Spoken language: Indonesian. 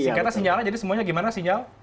singkatnya sinyal jadi semuanya gimana sinyal